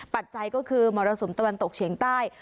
ปัจจัยก็คือมรสุมตะวันตกเฉียงใต้